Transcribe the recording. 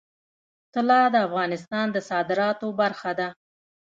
طلا د افغانستان د صادراتو برخه ده.